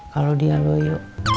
kalau dia loyok